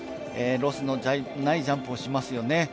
ロスのないジャンプをしますよね。